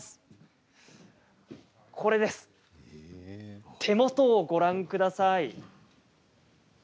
これです、手元をご覧ください。